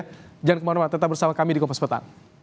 jangan kemana mana tetap bersama kami di kompas petang